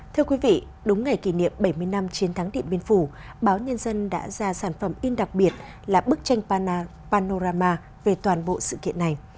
thưa quý vị đúng ngày kỷ niệm bảy mươi năm chiến thắng điện biên phủ báo nhân dân đã ra sản phẩm in đặc biệt là bức tranh panorama về toàn bộ sự kiện này